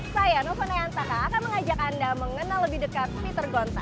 saya nova nayantaka akan mengajak anda mengenal lebih dekat peter gonta